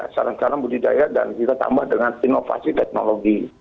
saran saran budidaya dan kita tambah dengan inovasi teknologi